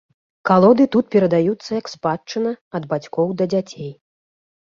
Калоды тут перадаюцца як спадчына ад бацькоў да дзяцей.